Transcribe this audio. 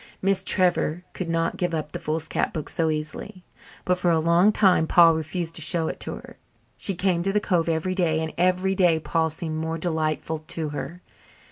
Miss Trevor would not give up the foolscap book so easily, but for a long time Paul refused to show it to her. She came to the cove every day, and every day Paul seemed more delightful to her.